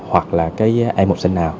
hoặc là cái a một sân nào